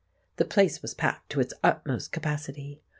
The place was packed to its utmost capacity.